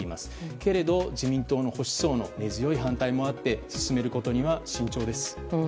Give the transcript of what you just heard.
けれど、自民党の保守層の根強い反対もあって進めることには慎重です。